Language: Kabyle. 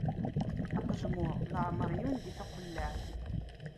Aqejmuṛ, leɛmeṛ yundi taqellaɛt.